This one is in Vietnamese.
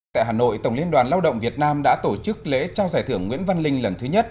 tại hà nội tổng liên đoàn lao động việt nam đã tổ chức lễ trao giải thưởng nguyễn văn linh lần thứ nhất